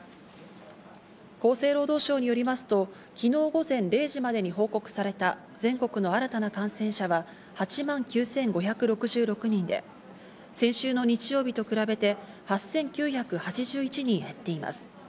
厚生労働省によりますと、昨日午前０時までに報告された全国の新たな感染者は８万９５６６人で、先週の日曜日と比べて、８９８１人減っています。